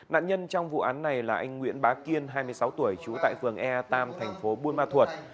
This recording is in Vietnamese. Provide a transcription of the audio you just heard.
nạn nhân trong vụ án này là anh nguyễn bá kiên hai mươi sáu tuổi trú tại phường ea tam thành phố buôn ma thuột